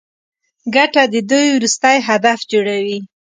ګټه د دوی وروستی هدف جوړوي